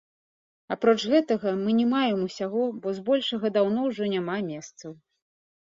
Апроч гэтага, мы не маем усяго, бо збольшага даўно ўжо няма месцаў.